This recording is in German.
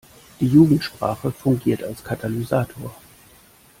Die Jugendsprache fungiert als Katalysator.